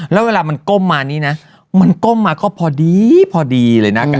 แล้วเวลามันก้มมานี่นะมันก้มมาก็พอดีพอดีเลยนะ